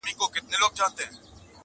• پلار دزویه حرام غواړي نه شرمېږي,